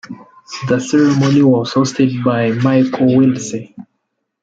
The ceremony was hosted by Michael Willesee.